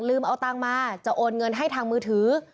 เอาตังค์มาจะโอนเงินให้ทางมือถือ